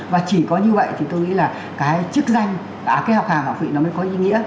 và chỉ có như vậy thì tôi nghĩ là cái chức danh cái học hà học vị nó mới có ý nghĩa